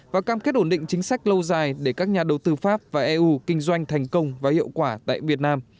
và cam kết ổn định chính sách lâu dài để các nhà đầu tư pháp và eu kinh doanh thành công và hiệu quả tại việt nam